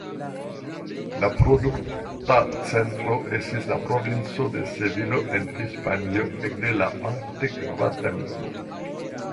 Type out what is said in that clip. La produkta centro estis la provinco de Sevilo en Hispanio ekde la antikva tempo.